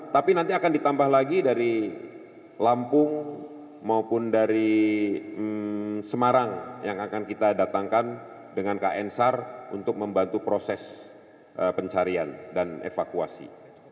tapi nanti akan ditambah lagi dari lampung maupun dari semarang yang akan kita datangkan dengan kn sar untuk membantu proses pencarian dan evakuasi